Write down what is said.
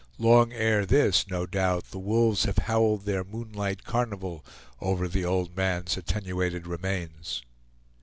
Long ere this no doubt the wolves have howled their moonlight carnival over the old man's attenuated remains.